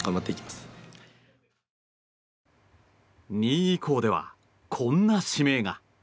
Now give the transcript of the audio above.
２位以降では、こんな指名が。